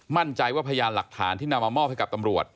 มั่นใจว่าพยานหลักฐานที่นำมามอบให้กับตำรวจ